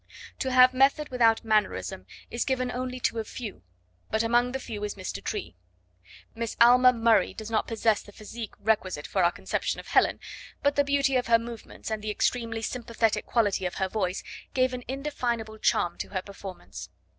To have method without mannerism is given only to a few, but among the few is Mr. Tree. Miss Alma Murray does not possess the physique requisite for our conception of Helen, but the beauty of her movements and the extremely sympathetic quality of her voice gave an indefinable charm to her performance.